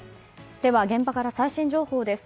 では、現場から最新情報です。